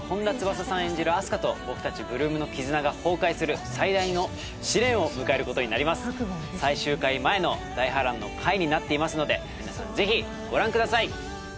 花と僕たち８ＬＯＯＭの絆が崩壊する最大の試練を迎えることになります最終回前の大波乱の回になっていますのでみなさん是非ご覧ください